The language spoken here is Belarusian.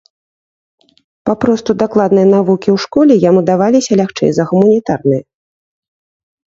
Папросту дакладныя навукі ў школе яму даваліся лягчэй за гуманітарныя.